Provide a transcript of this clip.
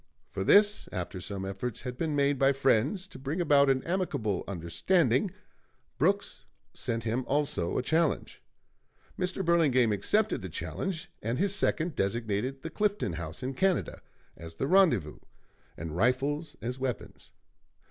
For this, after some efforts had been made by friends to bring about an amicable understanding, Brooks sent him also a challenge. Mr. Burlingame accepted the challenge, and his second designated the Clifton House in Canada as the rendezvous and rifles as weapons.